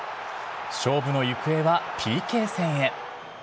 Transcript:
勝負の行方はＰＫ戦へ。